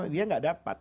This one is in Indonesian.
dia gak dapat